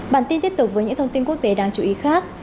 bản tin tiếp tục với những thông tin quốc tế đáng chú ý khác